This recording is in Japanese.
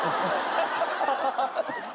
ハハハ。